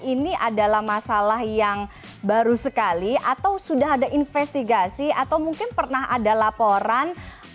ini adalah masalah yang baru sekali atau sudah ada investigasi atau mungkin pernah ada laporan